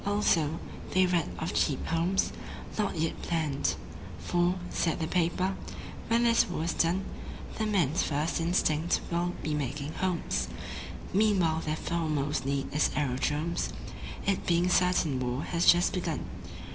Also, they read of Cheap Homes, not yet planned; For, said the paper, "When this war is done The men's first instinct will be making homes. Meanwhile their foremost need is aerodromes, It being certain war has just begun.